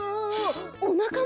おなかも！？